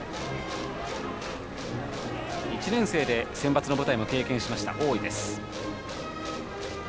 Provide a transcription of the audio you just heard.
１年生でセンバツの舞台を経験した多井です。